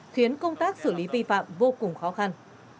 khiến công tác xử lý vi phạm vô cùng khó khăn